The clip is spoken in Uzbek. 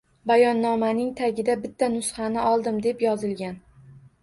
Bayonnomaning tagida: «Bitta nusxasini oldim» deb yozilgan